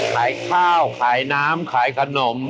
ขายข้าวขายน้ำขายขนม